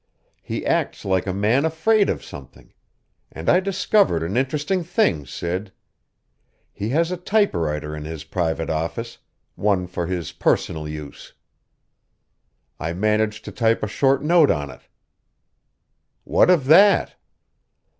He acts like a man afraid of something; and I discovered an interesting thing, Sid. He has a typewriter in his private office, one for his personal use. I managed to type a short note on it." "What of that?"